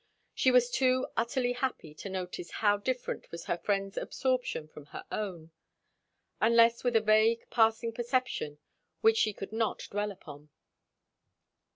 She was too utterly happy to notice how different was her friend's absorption from her own; unless with a vague, passing perception, which she could not dwell upon.